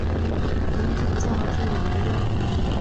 总主教只有一任。